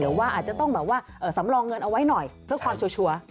ว่าอาจจะต้องแบบว่าสำรองเงินเอาไว้หน่อยเพื่อความชัวร์